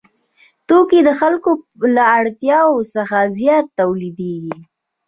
توکي د خلکو له اړتیاوو څخه زیات تولیدېږي